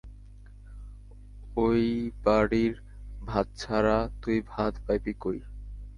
এই বাড়ির ভাত ছাড়া তুই ভাত পাইবি কই?